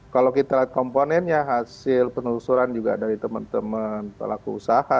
kalau kita lihat komponennya hasil penelusuran juga dari teman teman pelaku usaha